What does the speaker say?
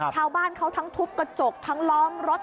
ชาวบ้านเขาทั้งทุบกระจกทั้งล้อมรถ